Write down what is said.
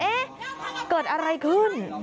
เกิดอะไรขึ้น